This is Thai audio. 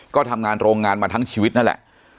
ก็ทำงานโรงงานมาทั้งชีวิตนั่นแหละ